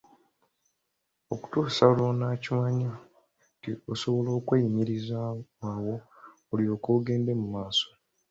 Okutuusa lw'onookimanya nti osobola okweyimirizaawo, awo olyoke ogende mu maaso.